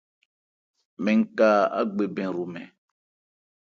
Mɛn ka ágbe bɛn hromɛn.